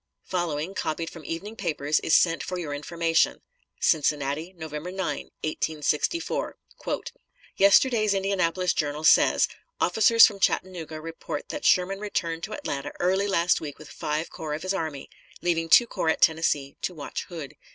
Following, copied from evening papers, is sent for your information: CINCINNATI, November 9, 1864. "Yesterday's Indianapolis Journal says: 'Officers from Chattanooga report that Sherman returned to Atlanta early last week with five corps of his army, leaving two corps in Tennessee to watch Hood.